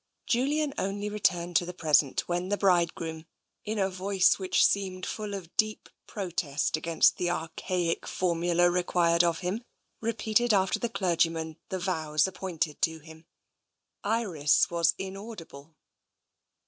Julian only re TENSION 215 turned to the present when the bridegroom, in a voice which seemed full of deep protest against the archaic formula required of him, repeated after the clergyman the vows appointed to him. Iris was inaudible.